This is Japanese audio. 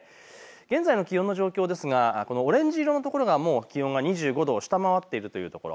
現在の気温の状況ですがオレンジ色の所が気温が２５度を下回っているというところ。